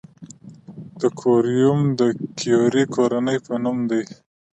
د کوریوم د کیوري کورنۍ په نوم دی.